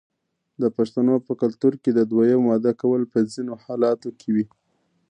د پښتنو په کلتور کې د دویم واده کول په ځینو حالاتو کې وي.